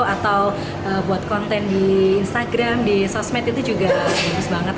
atau buat konten di instagram di sosmed itu juga bagus banget